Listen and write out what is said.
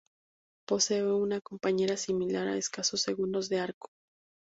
Posee una compañera similar a escasos segundos de arco.